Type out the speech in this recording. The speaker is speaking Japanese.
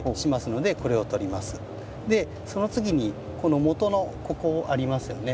その次にこのもとのここありますよね。